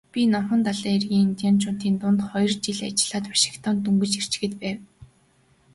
Би Номхон далайн эргийн индианчуудын дунд хоёр жил ажиллаад Вашингтонд дөнгөж ирчхээд байв.